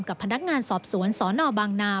กับพนักงานสอบสวนสนบางนา